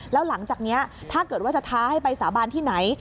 แล้วหลังจากนี้ถ้าเกิดว่าจะท้าให้ไปสาบานที่ไหน